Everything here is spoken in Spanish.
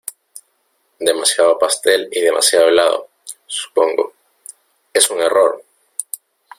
Demasiado pastel y demasiado helado, supongo. ¡ es un error!